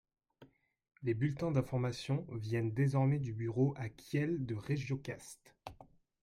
Les bulletins d'informations viennent désormais du bureau à Kiel de Regiocast.